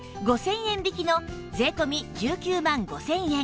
５０００円引きの税込１９万５０００円